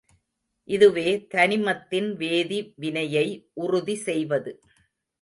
இதுவே தனிமத்தின் வேதி வினையை உறுதி செய்வது.